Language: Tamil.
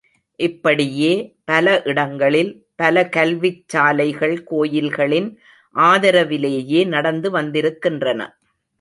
இப்படியே பல இடங்களில் பல கல்விச் சாலைகள் கோயில்களின் ஆதரவிலேயே நடந்து வந்திருக்கின்றன.